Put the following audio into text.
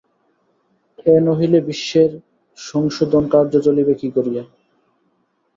এ নহিলে বিশ্বের সংশোধনকার্য চলিবে কী করিয়া?